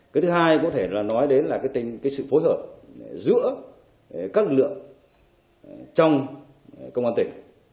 cái thứ hai có thể là nói đến là cái sự phối hợp giữa các lực lượng trong công an tỉnh